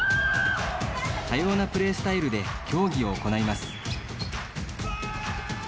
多様なプレースタイルで競技を行います。